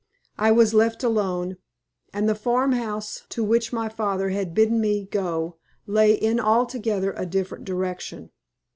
I was left alone, and the farmhouse to which my father had bidden me go lay in altogether a different direction.